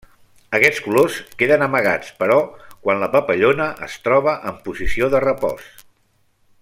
Aquests colors queden amagats però quan la papallona es troba en posició de repòs.